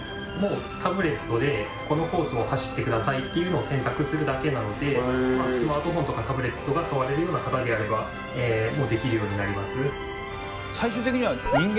タブレットでこのコースを走ってくださいっていうのを選択するだけなのでスマートフォンとかタブレットがさわれるような方であればもうできるようになります。